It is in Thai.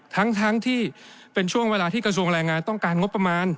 ทั้งที่เป็นช่วงเวลาที่กระทรวงแรงงานต้องการงบประมาณ